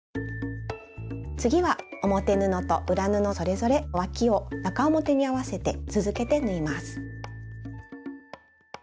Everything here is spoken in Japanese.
次は表布と裏布それぞれわきを中表に合わせて続けて縫います。